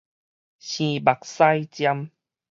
生目屎針